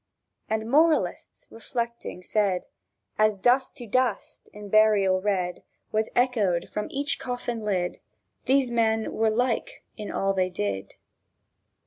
And moralists, reflecting, said, As "dust to dust" in burial read Was echoed from each coffin lid, "These men were like in all they did."